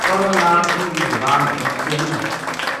پڑھن نال اِنھ کی زبان مُکسے نیہہ